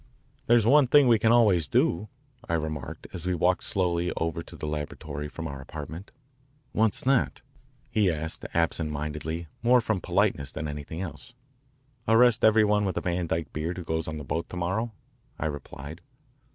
"There's one thing we can always do," I remarked as we walked slowly over to the laboratory from our apartment. "What's that?" he asked absent mindedly, more from politeness than anything else. "Arrest every one with a Van Dyke beard who goes on the boat to morrow," I replied.